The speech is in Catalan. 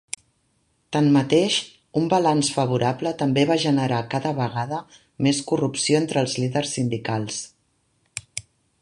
Tanmateix, un balanç favorable també va generar cada vegada més corrupció entre els líders sindicals.